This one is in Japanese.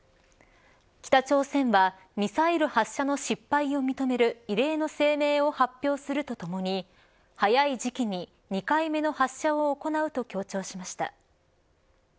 北朝鮮はミサイル発射の失敗を認める異例の声明を発表するとともに早い時期に２回目の発射を行うと強調しました。